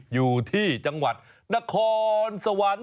อยู่ที่จังหวัดนครสวรรค์